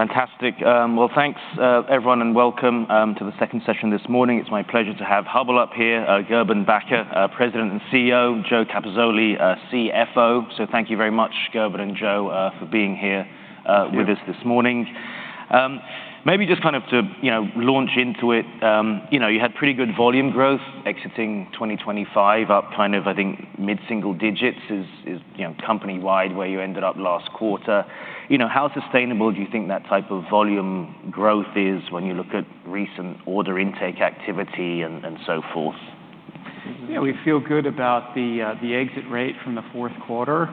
Fantastic. Well, thanks, everyone, and welcome to the second session this morning. It's my pleasure to have Hubbell up here, Gerben Bakker, our President and CEO, Joe Capozzoli, our CFO. So thank you very much, Gerben and Joe, for being here. Thank you... with us this morning. Maybe just kind of to, you know, launch into it, you know, you had pretty good volume growth exiting 2025, up kind of, I think, mid-single digits is, you know, company-wide, where you ended up last quarter. You know, how sustainable do you think that type of volume growth is when you look at recent order intake activity and so forth? Yeah, we feel good about the exit rate from the fourth quarter,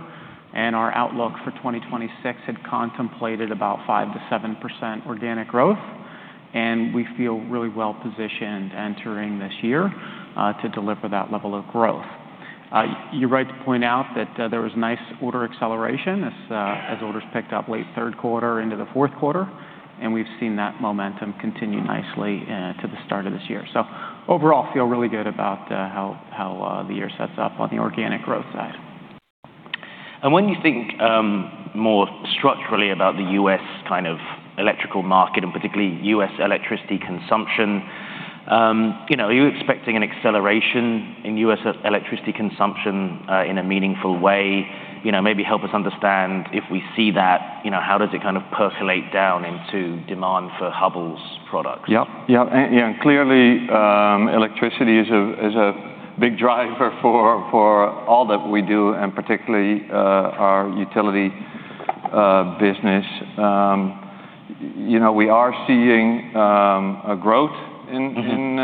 and our outlook for 2026 had contemplated about 5%-7% organic growth, and we feel really well-positioned entering this year to deliver that level of growth. You're right to point out that there was nice order acceleration as orders picked up late third quarter into the fourth quarter, and we've seen that momentum continue nicely to the start of this year. So overall, feel really good about how the year sets up on the organic growth side. When you think more structurally about the U.S. kind of electrical market and particularly U.S. electricity consumption, you know, are you expecting an acceleration in U.S. electricity consumption in a meaningful way? You know, maybe help us understand, if we see that, you know, how does it kind of percolate down into demand for Hubbell's products? Yep. Yep, and clearly, electricity is a big driver for all that we do, and particularly, our utility business. You know, we are seeing a growth in, in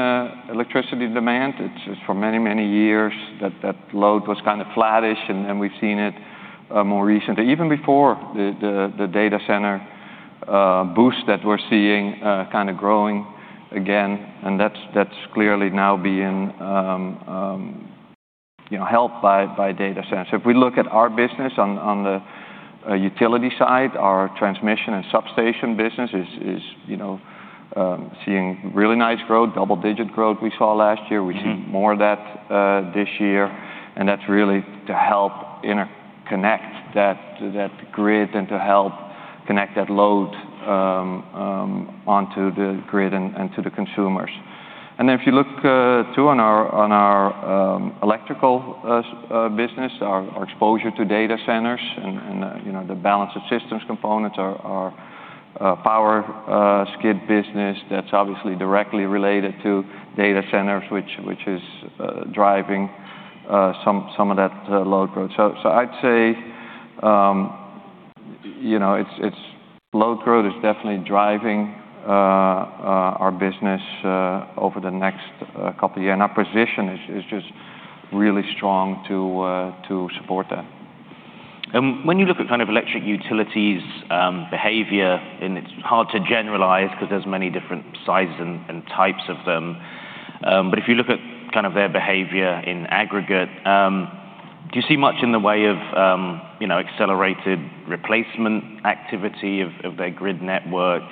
electricity demand. It's just for many, many years that that load was kind of flattish, and we've seen it more recently, even before the data center boost that we're seeing, kind of growing again, and that's clearly now being, you know, helped by data centers. If we look at our business on the utility side, our transmission and substation business is, you know, seeing really nice growth, double-digit growth we saw last year. Mm-hmm. We see more of that this year, and that's really to help interconnect that grid and to help connect that load onto the grid and to the consumers. And if you look too on our electrical business, our exposure to data centers and you know the balance of systems components, our power skid business, that's obviously directly related to data centers, which is driving some of that load growth. So I'd say you know load growth is definitely driving our business over the next couple of year. And our position is just really strong to support that. When you look at kind of electric utilities, behavior, and it's hard to generalize 'cause there's many different sizes and types of them, but if you look at kind of their behavior in aggregate, do you see much in the way of, you know, accelerated replacement activity of their grid network?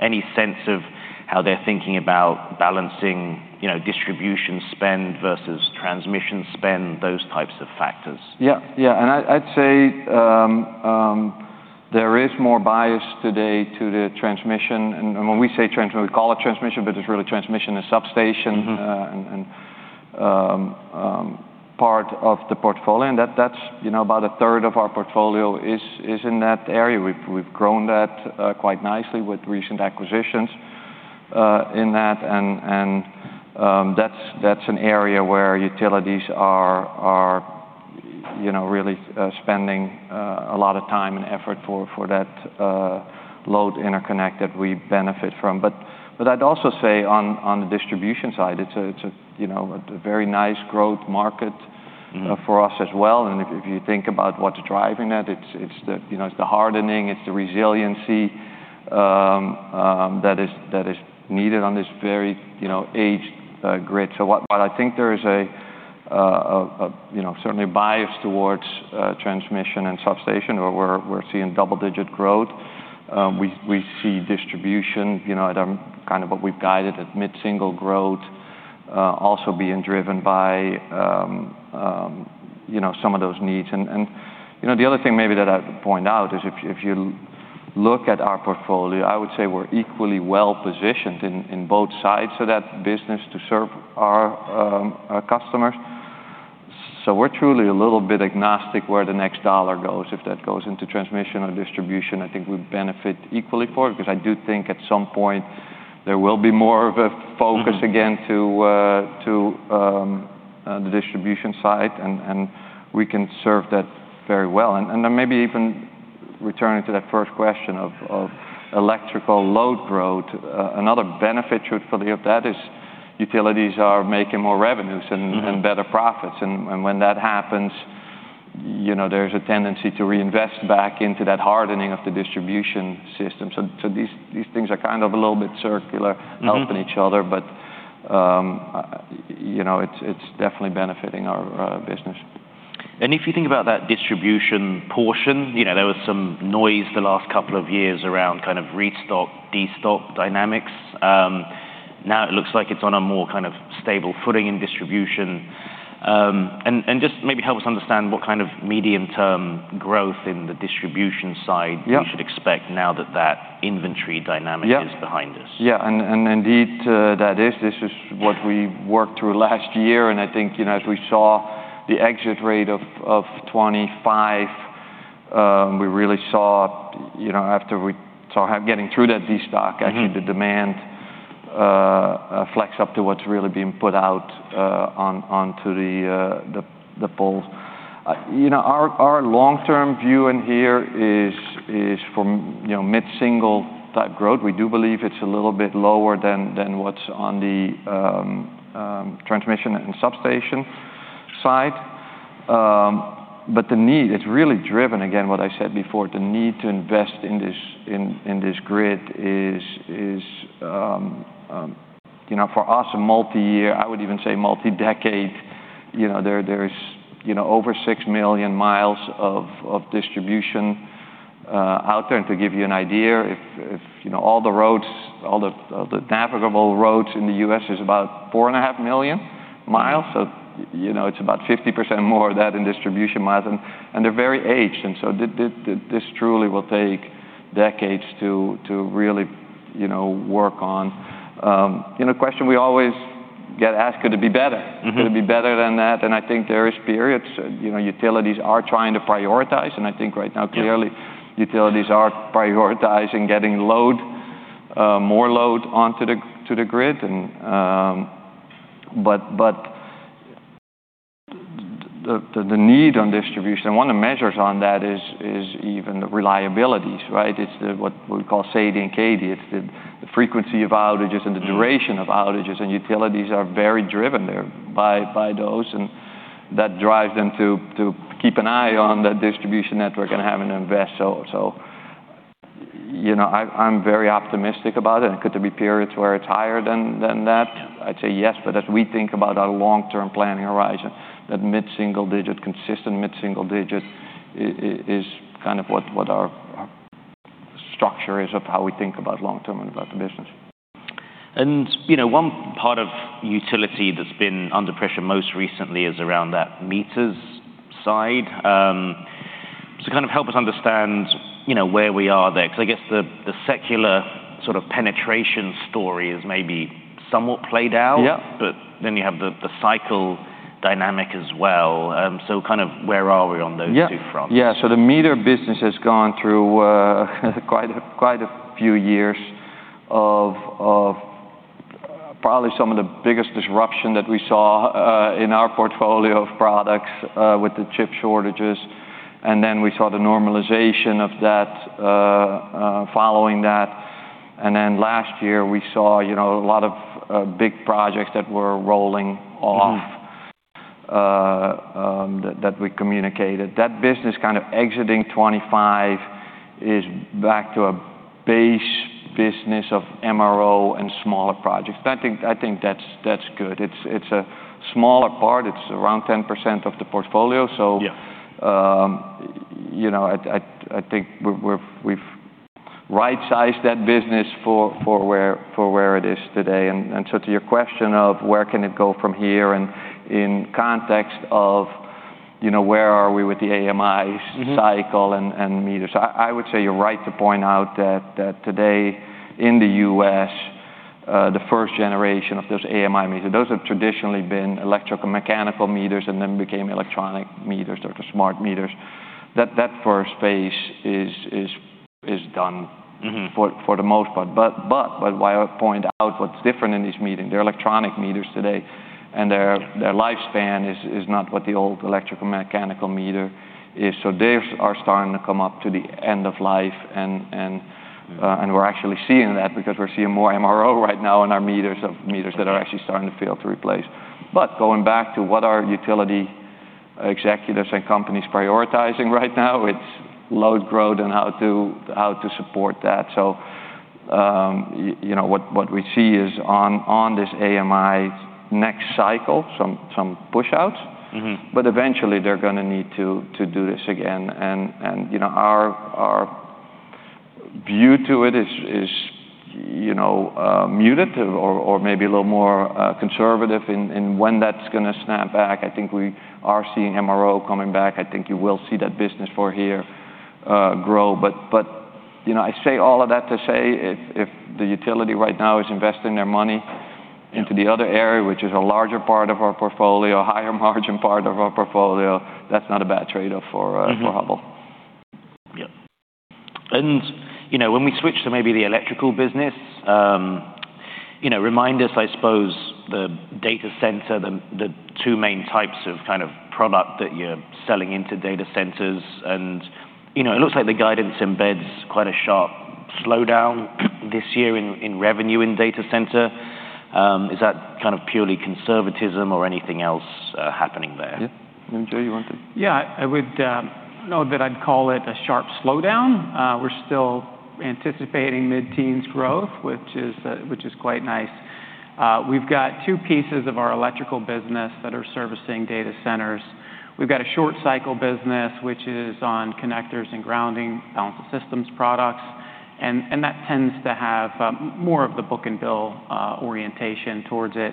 Any sense of how they're thinking about balancing, you know, distribution spend versus transmission spend, those types of factors? Yeah. Yeah, and I'd say there is more bias today to the transmission. And when we say transmission, we call it transmission, but it's really transmission and substation and part of the portfolio, and that, that's, you know, about a third of our portfolio is in that area. We've grown that quite nicely with recent acquisitions in that, and that's an area where utilities are, you know, really spending a lot of time and effort for that load interconnect that we benefit from. But I'd also say on the distribution side, it's a, you know, a very nice growth market for us as well, and if you think about what's driving that, it's the, you know, it's the hardening, it's the resiliency, that is needed on this very, you know, aged grid. So but I think there is a you know, certainly a bias towards transmission and substation, where we're seeing double-digit growth. We see distribution, you know, at kind of what we've guided at mid-single growth, also being driven by you know, some of those needs. And you know, the other thing maybe that I'd point out is if you look at our portfolio, I would say we're equally well-positioned in both sides of that business to serve our customers. So we're truly a little bit agnostic where the next dollar goes. If that goes into transmission or distribution, I think we benefit equally for it, because I do think at some point, there will be more of a focus again to the distribution side, and we can serve that very well. And then maybe even returning to that first question of electrical load growth, another benefit truthfully of that is utilities are making more revenues and, and better profits, and when that happens, you know, there's a tendency to reinvest back into that hardening of the distribution system. So these things are kind of a little bit circular helping each other, but, you know, it's definitely benefiting our business. If you think about that distribution portion, you know, there was some noise the last couple of years around kind of restock, destock dynamics. Now it looks like it's on a more kind of stable footing in distribution, and just maybe help us understand what kind of medium-term growth in the distribution side? Yeah. We should expect now that that inventory dynamic- Yeah is behind us. Yeah, and indeed, that is. This is what we worked through last year, and I think, you know, as we saw the exit rate of 25, we really saw, you know, after we—so getting through that destock actually the demand flex up to what's really being put out on, onto the poles. You know, our long-term view in here is from, you know, mid-single type growth. We do believe it's a little bit lower than what's on the transmission and substation side. But the need, it's really driven, again, what I said before, the need to invest in this, in this grid is, you know, for us, a multi-year, I would even say multi-decade, you know, there is, you know, over 6 million miles of distribution out there. And to give you an idea, if you know, all the roads, all the navigable roads in the U.S. is about 4.5 million miles, so, you know, it's about 50% more of that in distribution miles, and they're very aged. And so this truly will take decades to really, you know, work on. You know, a question we always get asked, "Could it be better? Mm-hmm. Could it be better than that?" I think there is periods, you know, utilities are trying to prioritize, and I think right now, clearly- Yeah... utilities are prioritizing getting load, more load onto the grid, and. But the need on distribution, and one of the measures on that is even the reliabilities, right? It's what we call SAIDI and CAIDI. It's the frequency of outages and the duration of outages, and utilities are very driven there by those, and that drives them to keep an eye on the distribution network and have an investment. So, you know, I'm very optimistic about it. And could there be periods where it's higher than that? I'd say yes, but as we think about our long-term planning horizon, that mid-single digit, consistent mid-single digit is kind of what our structure is of how we think about long-term and about the business. You know, one part of utility that's been under pressure most recently is around that meters side. So kind of help us understand, you know, where we are there, because I guess the secular sort of penetration story is maybe somewhat played out. Yeah. Then you have the cycle dynamic as well. Kind of where are we on those two fronts? Yeah. Yeah, so the meter business has gone through quite a few years of probably some of the biggest disruption that we saw in our portfolio of products with the chip shortages, and then we saw the normalization of that following that. And then last year, we saw, you know, a lot of big projects that were rolling off that we communicated. That business kind of exiting 25 is back to a base business of MRO and smaller projects. I think that's good. It's a smaller part. It's around 10% of the portfolio, so- Yeah... you know, I think we've right-sized that business for where it is today. And so to your question of where can it go from here, and in context of, you know, where are we with the AMI cycle and meters, I would say you're right to point out that today in the U.S., the first generation of those AMI meters, those have traditionally been electromechanical meters and then became electronic meters or the smart meters, that first phase is done for the most part. But what I would point out what's different in these meters, they're electronic meters today, and their lifespan is not what the old electrical mechanical meter is, so these are starting to come up to the end of life. And Yeah... and we're actually seeing that because we're seeing more MRO right now in our meters that are actually starting to fail to replace. But going back to what are utility executives and companies prioritizing right now? It's load growth and how to, how to support that. So, you know, what we see is on, on this AMI next cycle, some push-outs. Mm-hmm. But eventually, they're gonna need to do this again, and you know, our view to it is you know, muted or maybe a little more conservative in when that's gonna snap back. I think we are seeing MRO coming back. I think you will see that business for here grow. But you know, I say all of that to say if the utility right now is investing their money- Yeah... into the other area, which is a larger part of our portfolio, a higher margin part of our portfolio, that's not a bad trade-off for, for Hubbell. Yeah. And, you know, when we switch to maybe the electrical business, you know, remind us, I suppose, the data center, the two main types of kind of product that you're selling into data centers. And, you know, it looks like the guidance embeds quite a sharp slowdown this year in revenue in data center. Is that kind of purely conservatism or anything else happening there? Yeah. And, Joe, you want to- Yeah, I would note that I'd call it a sharp slowdown. We're still anticipating mid-teens growth, which is quite nice. We've got two pieces of our electrical business that are servicing data centers. We've got a short cycle business, which is on connectors and grounding, balance of systems products, and that tends to have more of the book and bill orientation towards it.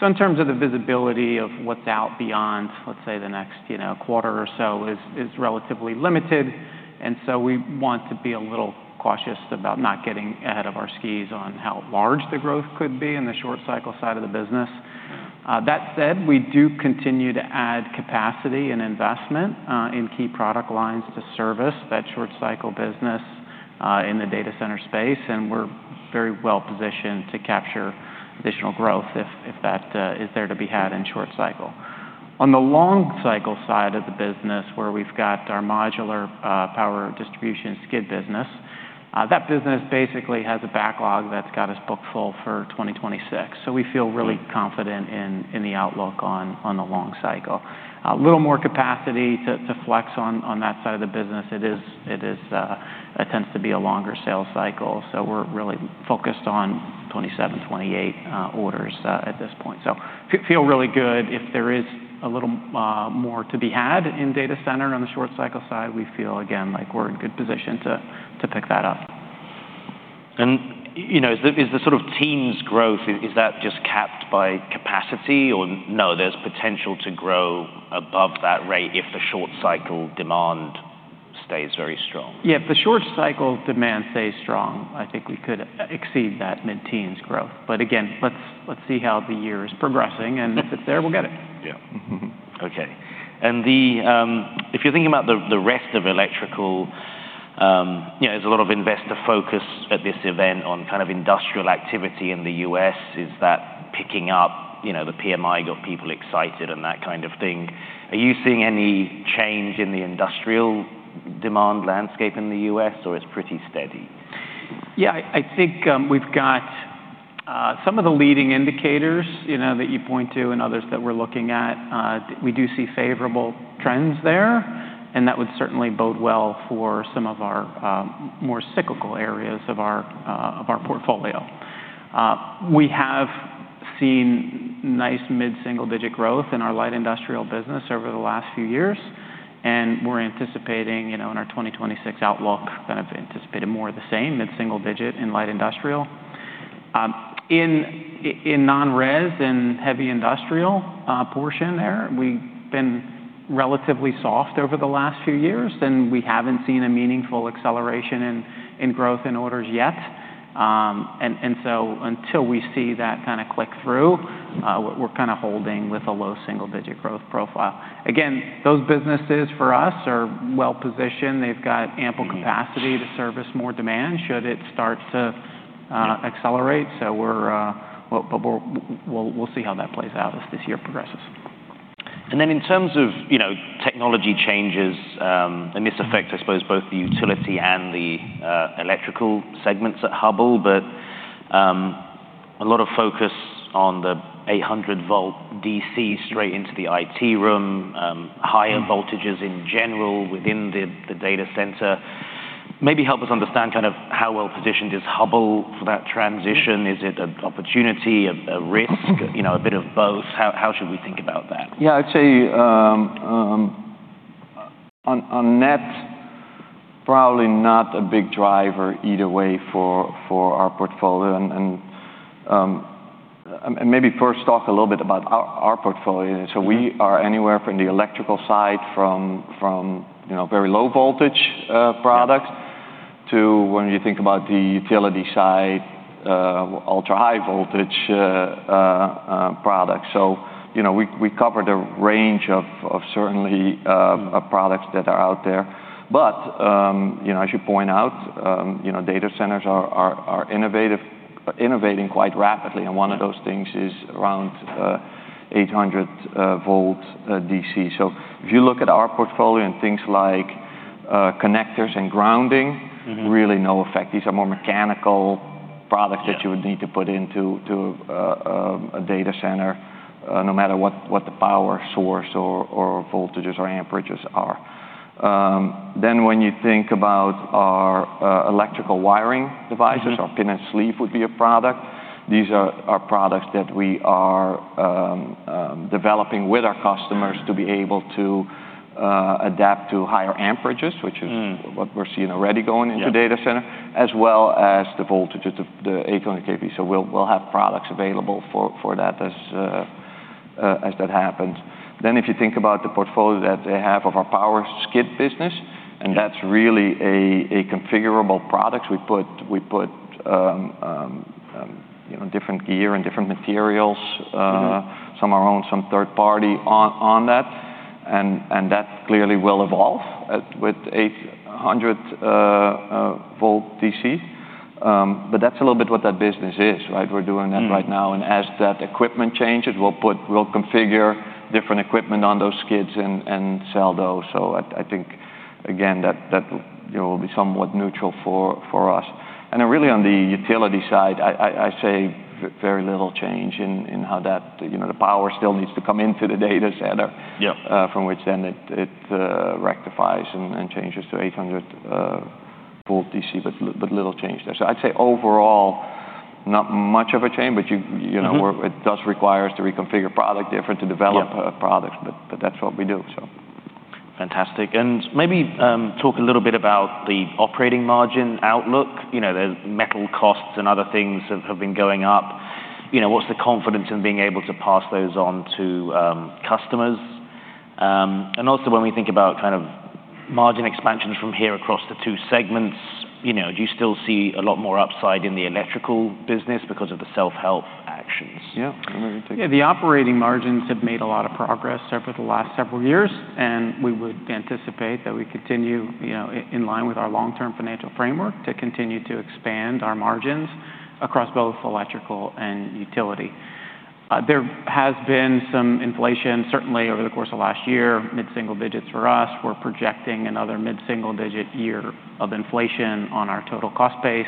So in terms of the visibility of what's out beyond, let's say, the next, you know, quarter or so, is relatively limited, and so we want to be a little cautious about not getting ahead of our skis on how large the growth could be in the short cycle side of the business. That said, we do continue to add capacity and investment in key product lines to service that short cycle business in the data center space, and we're very well positioned to capture additional growth if that is there to be had in short cycle. On the long cycle side of the business, where we've got our modular power distribution skid business, that business basically has a backlog that's got us booked full for 2026. So we feel really confident in the outlook on the long cycle. A little more capacity to flex on that side of the business. That tends to be a longer sales cycle, so we're really focused on 2027, 2028 orders at this point. So feel really good. If there is a little more to be had in data center on the short cycle side, we feel again, like we're in a good position to pick that up. You know, is the sort of team's growth just capped by capacity, or no, there's potential to grow above that rate if the short-cycle demand stays very strong? Yeah, if the short cycle demand stays strong, I think we could exceed that mid-teens growth. But again, let's see how the year is progressing, and if it's there, we'll get it. Yeah. Mm-hmm. Okay. And if you're thinking about the rest of electrical, you know, there's a lot of investor focus at this event on kind of industrial activity in the U.S. Is that picking up? You know, the PMI got people excited and that kind of thing. Are you seeing any change in the industrial demand landscape in the U.S., or it's pretty steady? Yeah, I think we've got some of the leading indicators, you know, that you point to and others that we're looking at. We do see favorable trends there, and that would certainly bode well for some of our more cyclical areas of our portfolio. We have seen nice mid-single-digit growth in our light industrial business over the last few years, and we're anticipating, you know, in our 2026 outlook, kind of anticipating more of the same, mid-single-digit in light industrial. In non-res and heavy industrial portion there, we've been relatively soft over the last few years, and we haven't seen a meaningful acceleration in growth and orders yet. And so until we see that kind of click through, we're kind of holding with a low single-digit growth profile. Again, those businesses for us are well positioned. They've got ample capacity to service more demand, should it start to accelerate. But we'll see how that plays out as this year progresses. And then in terms of, you know, technology changes, and this affects, I suppose, both the utility and the electrical segments at Hubbell, but, a lot of focus on the 800-volt DC straight into the IT room, higher voltages in general within the data center. Maybe help us understand kind of how well positioned is Hubbell for that transition. Is it an opportunity, a risk—you know, a bit of both? How should we think about that? Yeah, I'd say, on net, probably not a big driver either way for our portfolio. And maybe first talk a little bit about our portfolio. So we are anywhere from the electrical side, you know, very low voltage products- Yeah... to when you think about the utility side, ultra high voltage products. So, you know, we cover the range of certainly products that are out there. But, you know, as you point out, you know, data centers are innovating quite rapidly, and one of those things is around 800-volt DC. So if you look at our portfolio and things like connectors and grounding really no effect. These are more mechanical products- Yeah... that you would need to put into a data center, no matter what the power source or voltages or amperages are. Then when you think about our electrical wiring devices our pin and sleeve would be a product. These are products that we are developing with our customers to be able to, adapt to higher amperages, which is what we're seeing already going into data center- Yeah... as well as the voltages of the 800 kV. So we'll have products available for that as that happens. Then if you think about the portfolio that they have of our power skid business, and that's really a configurable product. We put you know, different gear and different materials, some our own, some third party on that, and that clearly will evolve with 800 volt DC. But that's a little bit what that business is, right? We're doing that right now, and as that equipment changes, we'll configure different equipment on those skids and sell those. So I think, again, that you know will be somewhat neutral for us. And then really on the utility side, I say very little change in how that. You know, the power still needs to come into the data center Yeah. From which then it rectifies and changes to 800 volt DC, but little change there. So I'd say overall, not much of a change, but you know, it does require us to reconfigure product differently to develop... Yeah products, but that's what we do, so. Fantastic. And maybe, talk a little bit about the operating margin outlook. You know, the metal costs and other things have been going up. You know, what's the confidence in being able to pass those on to customers? And also when we think about kind of margin expansion from here across the two segments, you know, do you still see a lot more upside in the electrical business because of the self-help actions? Yeah, you want to take it? Yeah, the operating margins have made a lot of progress over the last several years, and we would anticipate that we continue, you know, in line with our long-term financial framework, to continue to expand our margins across both electrical and utility. There has been some inflation, certainly over the course of last year, mid-single digits for us. We're projecting another mid-single digit year of inflation on our total cost base,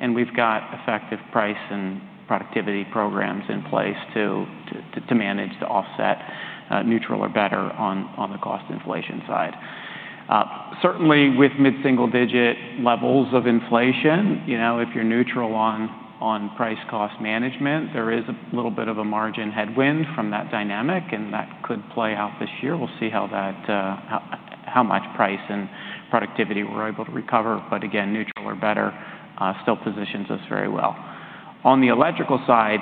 and we've got effective price and productivity programs in place to manage to offset, neutral or better on the cost inflation side. Certainly, with mid-single digit levels of inflation, you know, if you're neutral on price cost management, there is a little bit of a margin headwind from that dynamic, and that could play out this year. We'll see how that, how much price and productivity we're able to recover, but again, neutral or better, still positions us very well. On the electrical side,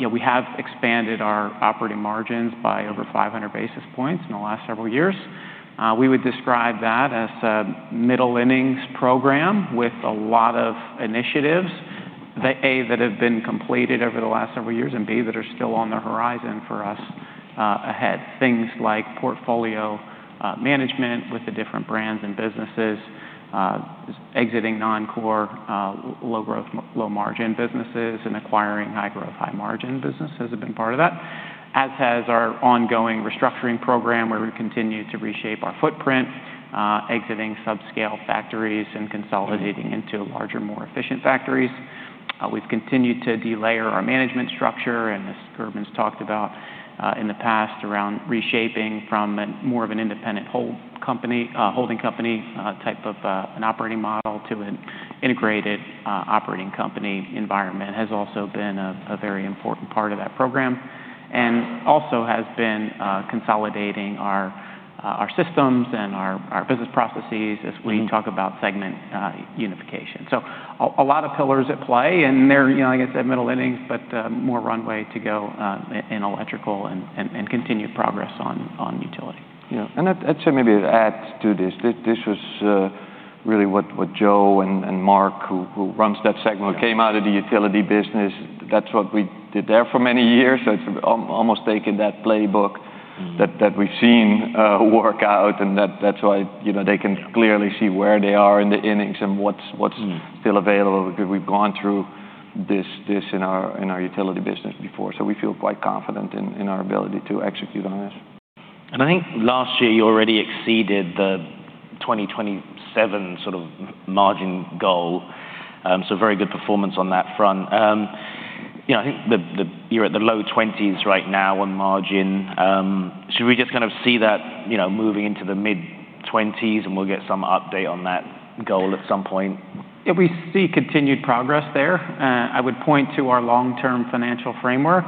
you know, we have expanded our operating margins by over 500 basis points in the last several years. We would describe that as a middle innings program with a lot of initiatives that, A, that have been completed over the last several years, and B, that are still on the horizon for us, ahead. Things like portfolio management with the different brands and businesses, exiting non-core, low growth, low margin businesses and acquiring high growth, high margin businesses have been part of that, as has our ongoing restructuring program, where we continue to reshape our footprint, exiting subscale factories and consolidating into larger, more efficient factories. We've continued to delayer our management structure, and as Gerben's talked about, in the past, around reshaping from a more of an independent whole company, holding company, type of, an operating model to an integrated, operating company environment has also been a very important part of that program, and also has been, consolidating our systems and our business processes as we talk about segment unification. So a lot of pillars at play, and they're, you know, like I said, middle innings, but more runway to go in electrical and continued progress on utility. Yeah, and I'd say maybe to add to this. This was really what Joe and Mark, who runs that segment- Yeah... came out of the utility business. That's what we did there for many years, so it's almost taking that playbook that we've seen work out, and that's why, you know, they can clearly see where they are in the innings and what's still available, because we've gone through this in our utility business before. So we feel quite confident in our ability to execute on this. I think last year you already exceeded the 2027 sort of margin goal. So very good performance on that front. You know, I think you're at the low 20s right now on margin. Should we just kind of see that, you know, moving into the mid-20s, and we'll get some update on that goal at some point? If we see continued progress there, I would point to our long-term financial framework.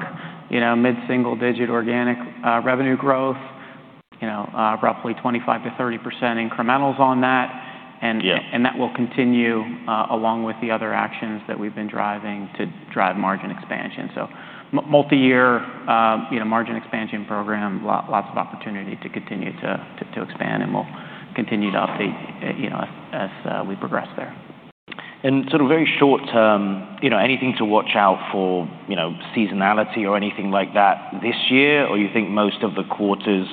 You know, mid-single digit organic revenue growth, you know, roughly 25%-30% incrementals on that, and- Yeah... and that will continue along with the other actions that we've been driving to drive margin expansion. So multi-year, you know, margin expansion program, lots of opportunity to continue to expand, and we'll continue to update, you know, as we progress there. Sort of very short term, you know, anything to watch out for, you know, seasonality or anything like that this year? Or you think most of the quarter's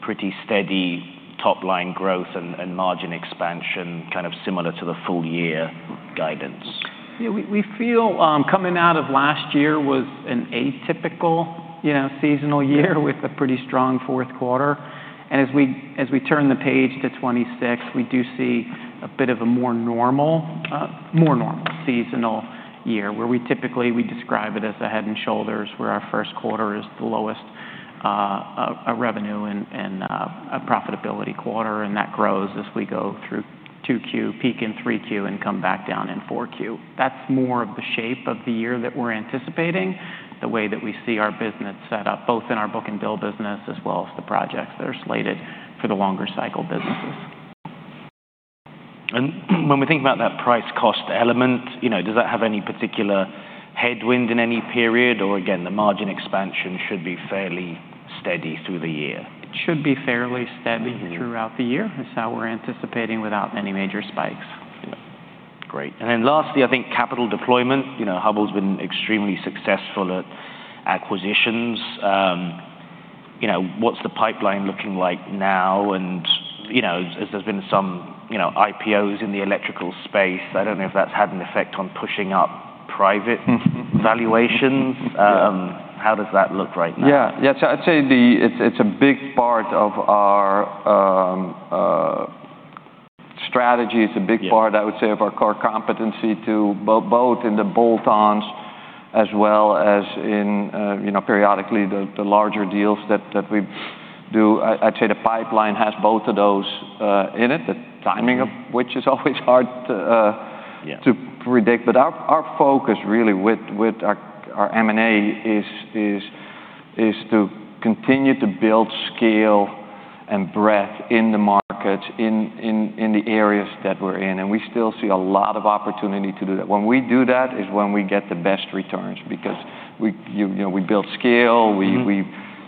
pretty steady top line growth and margin expansion, kind of similar to the full year guidance? Yeah, we feel, coming out of last year was an atypical, you know, seasonal year with a pretty strong fourth quarter. As we turn the page to 2026, we do see a bit of a more normal seasonal year, where we typically describe it as a head and shoulders, where our first quarter is the lowest revenue and profitability quarter, and that grows as we go through 2Q, peak in 3Q, and come back down in 4Q. That's more of the shape of the year that we're anticipating, the way that we see our business set up, both in our book and bill business, as well as the projects that are slated for the longer cycle businesses. When we think about that price cost element, you know, does that have any particular headwind in any period, or again, the margin expansion should be fairly steady through the year? It should be fairly steady throughout the year. That's how we're anticipating without any major spikes. Yeah. Great. And then lastly, I think capital deployment. You know, Hubbell's been extremely successful at acquisitions. You know, what's the pipeline looking like now? And, you know, as there's been some, you know, IPOs in the electrical space, I don't know if that's had an effect on pushing up private-... valuations. Yeah. How does that look right now? Yeah. Yeah, so I'd say it's a big part of our strategy. Yeah. It's a big part, I would say, of our core competency to both in the bolt-ons as well as in, you know, periodically, the larger deals that we do. I'd say the pipeline has both of those in it, the timing of which is always hard to. Yeah - to predict. But our focus really with our M&A is to continue to build scale and breadth in the markets, in the areas that we're in, and we still see a lot of opportunity to do that. When we do that, is when we get the best returns because we, you know, we build scale,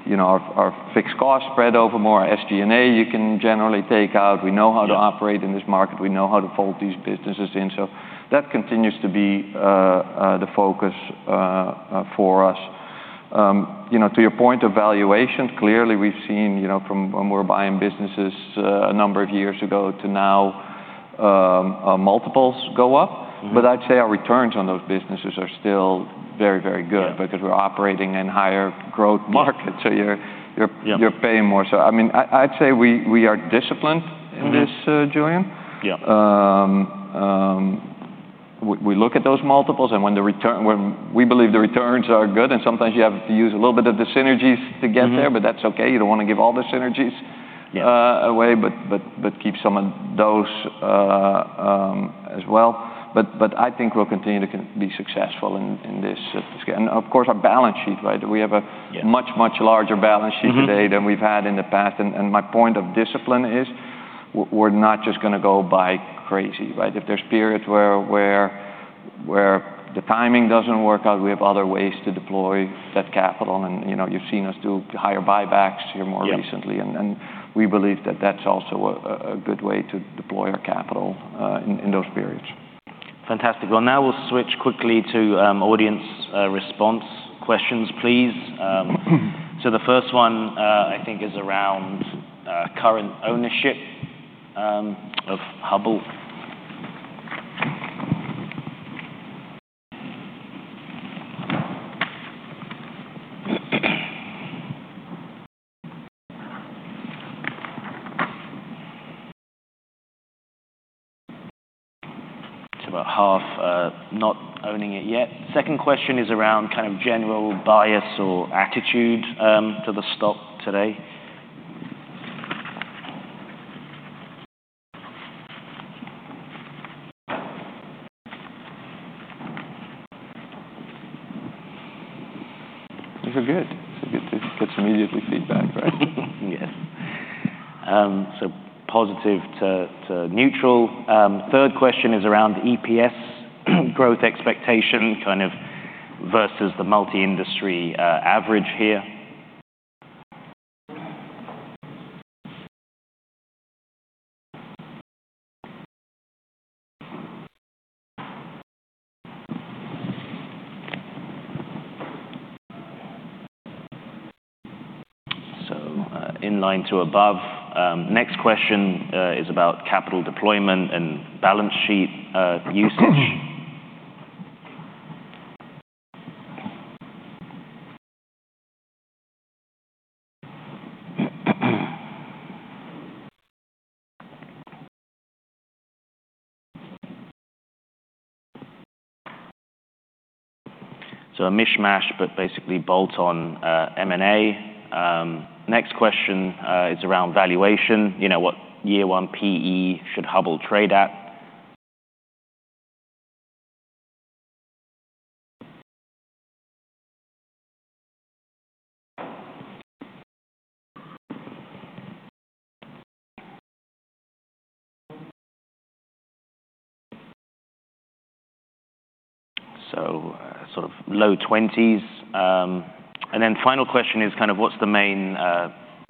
you know, our fixed costs spread over more SG&A, you can generally take out. Yeah. We know how to operate in this market. We know how to fold these businesses in. So that continues to be the focus for us. You know, to your point of valuation, clearly, we've seen, you know, from when we're buying businesses a number of years ago to now, our multiples go up. Mm-hmm. But I'd say our returns on those businesses are still very, very good- Yeah... because we're operating in higher growth markets, so you're, you're... Yeah You're paying more. So, I mean, I, I'd say we, we are disciplined in this, Julian. Yeah. We look at those multiples, and when we believe the returns are good, and sometimes you have to use a little bit of the synergies to get there but that's okay. You don't want to give all the synergies- Yeah but keep some of those as well. But I think we'll continue to be successful in this scale. And of course, our balance sheet, right? We have a... Yeah... much, much larger balance sheet today than we've had in the past. And my point of discipline is, we're not just gonna go buy crazy, right? If there's periods where the timing doesn't work out, we have other ways to deploy that capital. And, you know, you've seen us do higher buybacks here more recently. Yeah. We believe that that's also a good way to deploy our capital in those periods. Fantastic. Well, now we'll switch quickly to audience response questions, please. So the first one, I think, is around current ownership of Hubbell. It's about half not owning it yet. Second question is around kind of general bias or attitude to the stock today. These are good. It's good to get some immediate feedback, right? Yes. So positive to neutral. Third question is around EPS growth expectation, kind of versus the multi-industry average here. So, in line to above. Next question is about capital deployment and balance sheet usage. So a mishmash, but basically bolt-on M&A. Next question is around valuation. You know, what year-one PE should Hubbell trade at? So, sort of low 20s. And then final question is kind of what's the main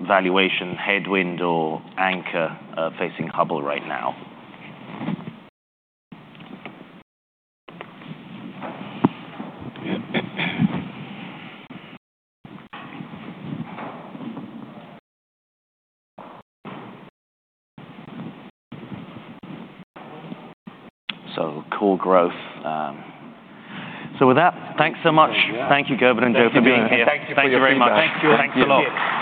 valuation headwind or anchor facing Hubbell right now? So core growth. So with that, thanks so much. Yeah. Thank you, Gerben and Joe, for being here. Thank you. Thank you very much. Thank you. Thanks a lot.